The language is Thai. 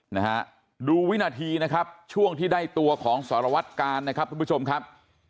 นะฮะดูวินาทีนะครับช่วงที่ได้ตัวของสารวัตกาลนะครับทุกผู้ชมครับ